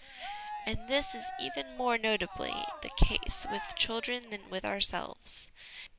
And this is even more notably the case with children than with ourselves.